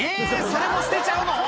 それも捨てちゃうの？